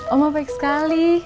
oma baik sekali